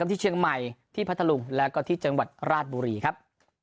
ที่เชียงใหม่ที่พัทธลุงแล้วก็ที่จังหวัดราชบุรีครับ